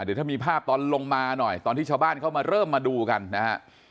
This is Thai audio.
เดี๋ยวถ้ามีภาพตอนลงมาหน่อยตอนที่ชาวบ้านเข้ามาเริ่มมาดูกันนะฮะ